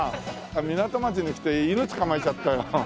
港町に来て犬捕まえちゃったよ。